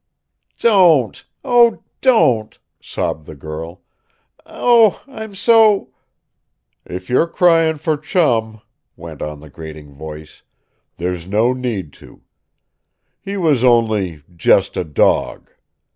"Don't! Oh, don't!" sobbed the girl. "Oh, I'm so " "If you're crying for Chum," went on the grating voice, "there's no need to. He was only just a dog.